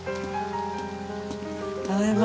ただいま